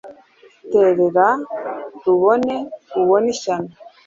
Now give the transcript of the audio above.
terera rubona ubone ishyano